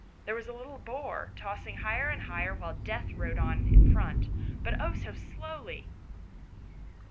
There was a little boat, tossing higher and higher while Death rode on in front, but, oh so slowly!